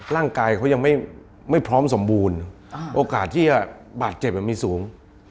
ร่างกายเขายังไม่พร้อมสมบูรณ์โอกาสที่บาดเจ็บมันมีสูง